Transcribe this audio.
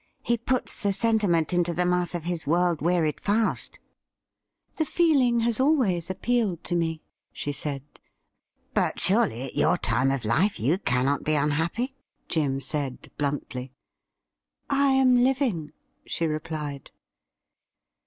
He puts the sentiment into the mouth of his world wearied Faust.' ' The feeling has always appealed to rae,' she said. ' But, surely, at your time of life, you cannot be un happy .'*' Jim said bluntly. ' I am living,' she replied.